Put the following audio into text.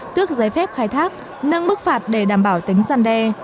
tước giấy phép khai thác nâng mức phạt để đảm bảo tính gian đe